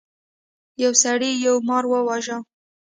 یو سړي یو مار وواژه.